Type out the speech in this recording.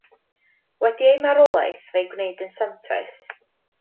Wedi ei marwolaeth fe'i gwnaed yn santes.